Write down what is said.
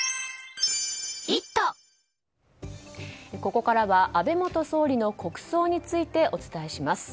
ここからは安倍元総理の国葬についてお伝えします。